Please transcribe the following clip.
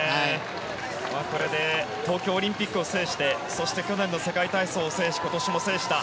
これで東京オリンピックを制してそして去年の世界体操を制して今年も制した。